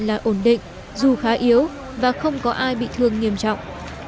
sức khỏe của toàn đội được xác nhận là ổn định dù khá yếu và không có ai bị thương nghiêm trọng